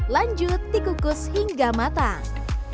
lanjut dikukus hingga matang